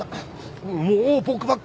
もう僕ばっかり。